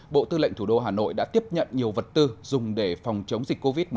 bộ tư lệnh thủ đô hà nội đã tiếp nhận nhiều vật tư dùng để phòng chống dịch covid một mươi chín